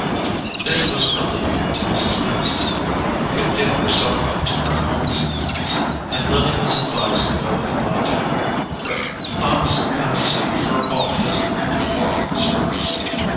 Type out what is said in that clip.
This was a relief to Mrs. Peniston, who could give herself up to her own symptoms, and Lily was advised to go and lie down, her aunt's panacea for all physical and moral disorders.